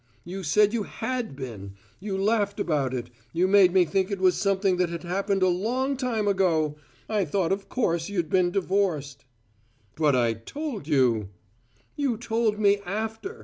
You said you had been. You laughed about it. You made me think it was something that had happened a long time ago. I thought of course you'd been divorced " "But I told you " "You told me after!